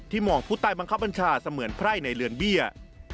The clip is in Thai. มองผู้ใต้บังคับบัญชาเสมือนไพร่ในเรือนเบี้ย